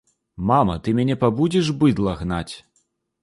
Мама, ты мяне пабудзіш быдла гнаць!